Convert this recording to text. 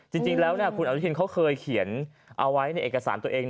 จริงแล้วคุณอนุทินเขาเคยเขียนเอาไว้ในเอกสารตัวเอง